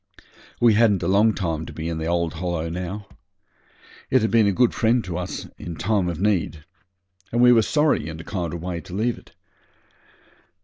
We hadn't a long time to be in the old Hollow now. It had been a good friend to us in time of need, and we was sorry in a kind of way to leave it.